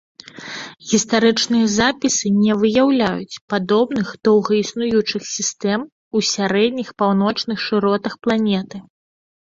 Гістарычныя запісы не выяўляюць падобных доўга існуючых сістэм у сярэдніх паўночных шыротах планеты.